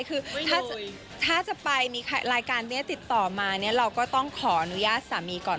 คือถ้าจะไปมีรายการนี้ติดต่อมาเนี่ยเราก็ต้องขออนุญาตสามีก่อน